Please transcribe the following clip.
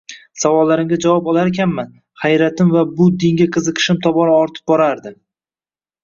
Savollarimga javob olarkanman, hayratim va bu dinga qiziqishim tobora ortib borardi